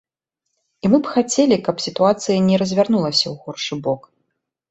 І мы б хацелі, каб сітуацыя не развярнулася ў горшы бок.